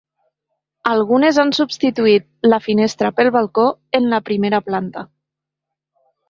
Algunes han substituït la finestra pel balcó en la primera planta.